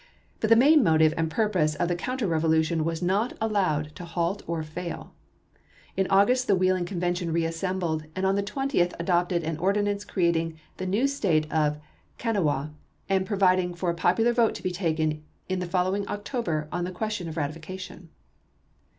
But the main motive and purpose of the counter revolution was not allowed to halt or fail. In August the Wheeling Convention re assembled, and on the 20th adopted an ordinance creating the new State of Kanawha, and providing for a popular vote to be taken in the following October on the question of ratification.